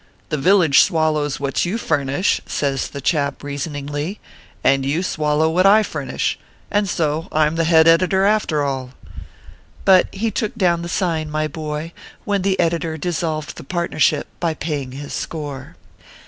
The village swallows what you furnish," says the chap, reasoningly, " and you swallow what I furnish, and so I m the head editor after all" But he took down the sign, my boy, when the ed itor dissolved the partnership by paying his score.